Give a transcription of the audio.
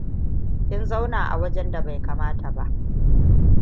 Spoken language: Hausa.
Kin zauna a wajen da bai kamata ba.